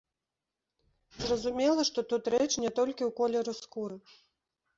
Зразумела, што тут рэч не толькі ў колеры скуры.